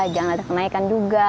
jangan ada kenaikan juga